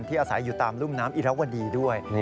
อาศัยอยู่ตามรุ่มน้ำอิรวดีด้วย